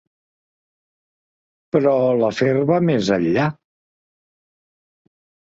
Però l'afer va més enllà.